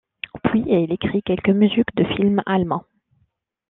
Puis, il écrit quelques musiques de films allemands.